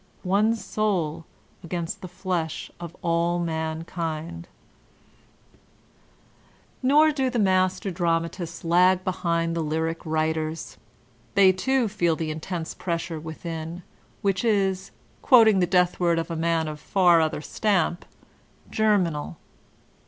One soul against the flesh of all manldnd. Nor do the master dramatists lag behind the lyric writers ; they, too, feel the intense pressure within, which is, quoting the deathword of « ntm of far other 8tain|>, Anaschism in Literature 149 "germinal."